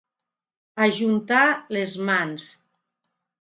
Ajuntar les mans.